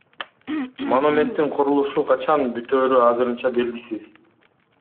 Монументтин курулушу качан бүтөөрү азырынча белгисиз.